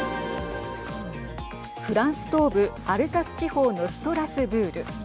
フランス東部アルザス地方のストラスブール。